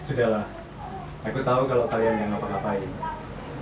sudahlah aku tahu kalau kalian yang ngapa ngapain